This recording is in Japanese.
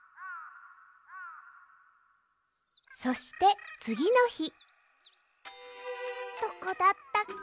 そしてつぎのひどこだったっけ？